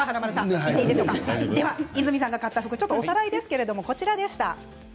和泉さんが買った服おさらいですけれどこちらでした。